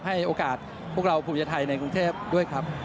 ให้โอกาสพวกเราภูมิใจไทยในกรุงเทพด้วยครับ